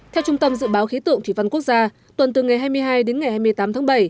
theo trung tâm dự báo khí tượng thủy văn quốc gia tuần từ ngày hai mươi hai đến ngày hai mươi tám tháng bảy